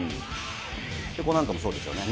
これなんかもそうですよね。